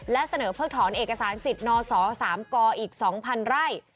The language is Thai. และเสนอเพิกถอนเอกสารสิทธิ์นศ๓กอีก๒๐๐ไร่